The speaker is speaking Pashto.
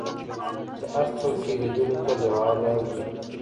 چې هر څوک یې لیدلو ته لیواله وي.